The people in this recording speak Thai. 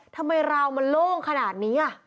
ทำไมราวมันโล่งขนาดนี้